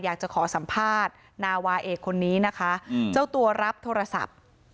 อยากจะขอสัมภาษณ์นาวาเอกคนนี้นะคะเจ้าตัวรับโทรศัพท์